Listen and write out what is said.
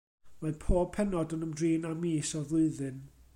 Mae pob pennod yn ymdrin â mis o'r flwyddyn.